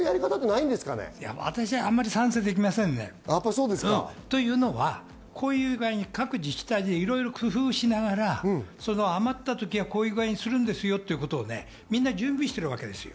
私はあまり賛成できませんね、というのは各自治体でいろいろ工夫しながら、余った時はこういうふうにするんですよということをみんな準備しているわけですよ。